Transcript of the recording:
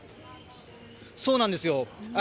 そうなんですよ。